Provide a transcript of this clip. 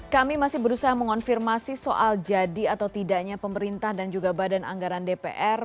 kami masih berusaha mengonfirmasi soal jadi atau tidaknya pemerintah dan juga badan anggaran dpr